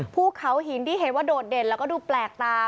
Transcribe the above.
ภูเขาหินที่เห็นว่าโดดเด่นแล้วก็ดูแปลกตา